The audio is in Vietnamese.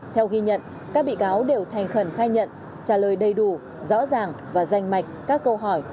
theo ghi nhận các bị cáo đều thành khẩn khai nhận trả lời đầy đủ rõ ràng và danh mạch các câu hỏi